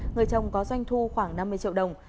người chồng có doanh thu khoảng năm mươi triệu đồng